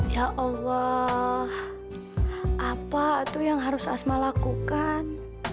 ya allah apa itu yang harus asma lakukan